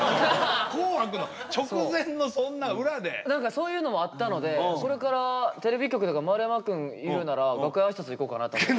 何かそういうのもあったのでそれからテレビ局とか丸山くんいるなら楽屋あいさつ行こうかなと思って。